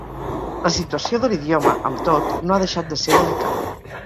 La situació de l'idioma, amb tot, no ha deixat de ser delicada.